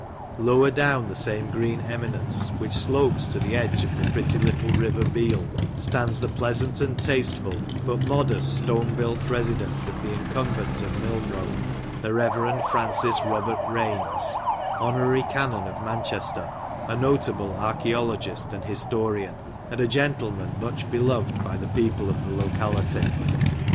Lower down the same green eminence, which slopes to the edge of the pretty little river Beal, stands the pleasant and tasteful, but modest, stone built residence of the incumbent of Milnrow, the Rev. Francis Robert Raines, honorary canon of Manchester, a notable archaeologist and historian ; and a gentleman, much beloved by the people of the locality.